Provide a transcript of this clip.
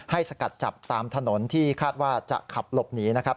สกัดจับตามถนนที่คาดว่าจะขับหลบหนีนะครับ